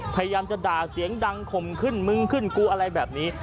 พยายามจะด่าเสียงดังข่มขึ้นมึงขึ้นกูอะไรแบบนี้